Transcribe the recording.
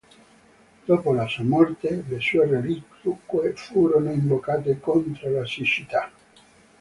Dopo la sua morte, le sue reliquie furono invocate contro la siccità.